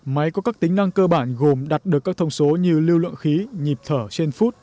máy có các tính năng cơ bản gồm đặt được các thông số như lưu lượng khí nhịp thở trên phút